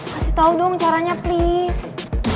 kasih tau dong caranya please